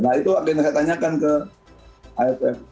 nah itu yang saya tanyakan ke kff